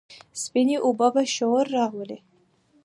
سپينې اوبه به شور راولي،